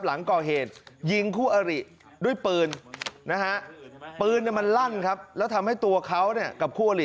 หลังก่อเหตุยิงคู่อริด้วยปืนนะฮะปืนมันลั่นครับแล้วทำให้ตัวเขาเนี่ยกับคู่อลิ